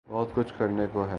بہت کچھ کرنے کو ہے۔